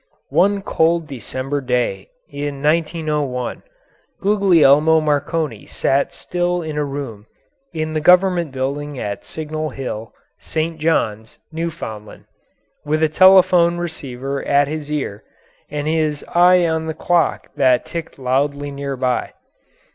One cold December day in 1901, Guglielmo Marconi sat still in a room in the Government building at Signal Hill, St. Johns, Newfoundland, with a telephone receiver at his ear and his eye on the clock that ticked loudly nearby.